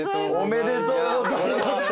おめでとうございます。